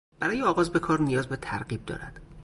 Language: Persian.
برای آغاز به کار نیاز به ترغیب دارد.